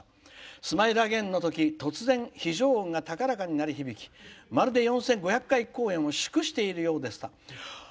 「ＳＭＩＬＥＡＧＡＩＮ」のとき非常音が高らかに鳴り響きまるで４５００回公演を祝しているようでした。